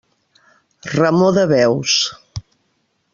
Remor de veus.